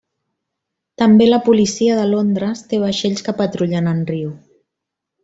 També la policia de Londres té vaixells que patrullen en riu.